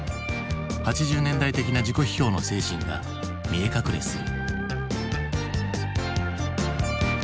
８０年代的な自己批評の精神が見え隠れする。